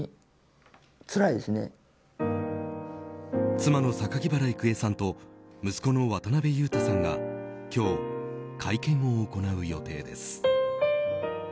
妻の榊原郁恵さんと息子の渡辺裕太さんが今日、会見を行う予定です。